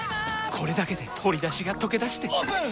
これだけで鶏だしがとけだしてオープン！